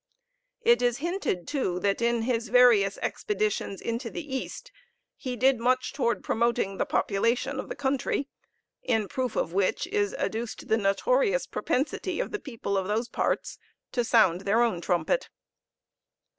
It is hinted, too, that in his various expeditions into the east he did much towards promoting the population of the country, in proof of which is adduced the notorious propensity of the people of those parts to sound their own trumpet.